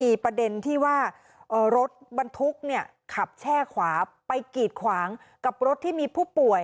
มีประเด็นที่ว่ารถบรรทุกเนี่ยขับแช่ขวาไปกีดขวางกับรถที่มีผู้ป่วย